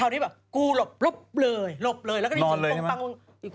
ดูสักที